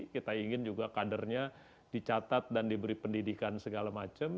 kita ingin juga kadernya dicatat dan diberi pendidikan segala macam